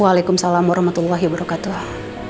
waalaikumsalam warahmatullahi wabarakatuh